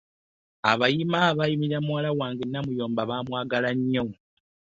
Abayima abeeyimirira muwala wange Namuyomba bamwagala nnyo.